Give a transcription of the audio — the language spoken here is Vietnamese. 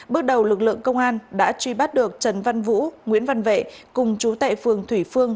bước đầu lực lượng công an đã truy bắt được trần văn vũ nguyễn văn vệ cùng chú tại phường thủy phương